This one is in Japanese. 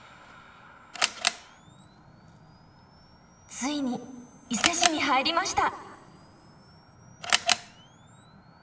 ついに伊勢市に入りました！